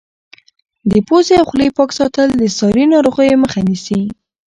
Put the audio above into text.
د پوزې او خولې پاک ساتل د ساري ناروغیو مخه نیسي.